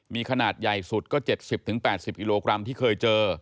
มีขนาดใหญ่สุดก็๗๐๘๐กิโลกรัมที่เคยเจอ